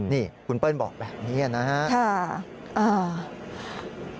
นี่คุณเปิ้ลบอกแบบนี้นะครับ